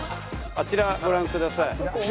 あちらご覧ください。